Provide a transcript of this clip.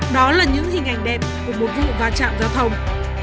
đó là những hình ảnh đẹp của một vụ va chạm giao thông